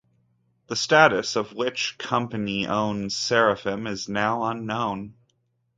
The status of which company owns Seraphim is now unknown.